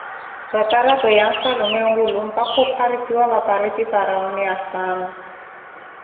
ratarato ya mfwalume mwulo mpakha opharisiwa va pareti para wooneye saana.